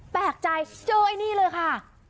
แปลกใจเจอไอ้นี่เลยค่ะ